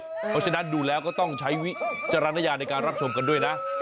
เพราะฉะนั้นดูแล้วก็ต้องใช้วิจารณญาณในการรับชมกันด้วยนะ